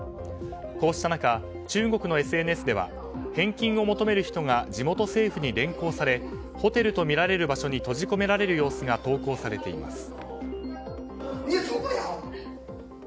こうした中、中国のＳＮＳでは返金を求める人が地元政府に連行されホテルとみられる場所に閉じ込められる様子が投稿されています。